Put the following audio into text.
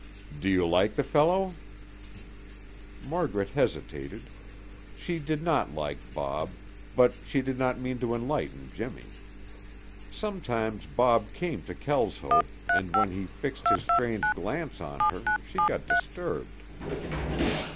"Do you like the fellow?" Margaret hesitated. She did not like Bob, but she did not mean to enlighten Jimmy. Sometimes Bob came to Kelshope and when he fixed his strange glance on her she got disturbed.